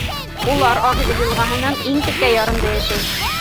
Улар Ағиҙел йылғаһының иң текә ярында йәшәй.